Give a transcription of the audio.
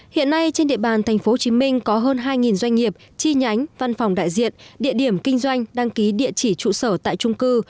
hiện nay trên địa bàn tp hcm có hơn hai doanh nghiệp chi nhánh văn phòng đại diện địa điểm kinh doanh đăng ký địa chỉ trụ sở tại trung cư